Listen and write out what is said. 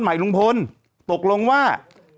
กะไข่ลุงพลตกลงว่า